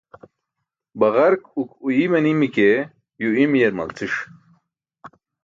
Baġark ukuiy manimi ke yuw imiyar malciṣ.